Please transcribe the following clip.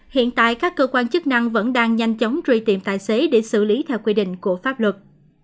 hiện tại các cơ quan chức năng vẫn đang nhanh chóng truy tìm tài xế để xử lý theo quy định của pháp luật